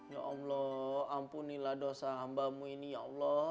ya allah ampunilah dosa hambamu ini ya allah